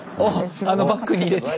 あのバッグに入れて。